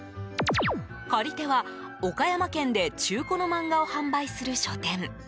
借り手は、岡山県で中古の漫画を販売する書店。